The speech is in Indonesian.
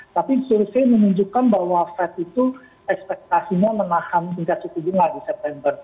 tapi survei menunjukkan bahwa fed itu ekspektasinya menahan tingkat suku bunga di september